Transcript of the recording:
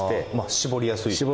絞りやすい。